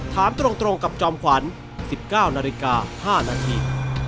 ถามตรงกับจอมขวัญ๑๙นาฬิกา๕นาที